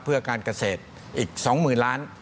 เพื่อการเกษตรอีก๒๐๐๐ล้าน